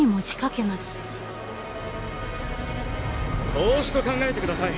投資と考えてください。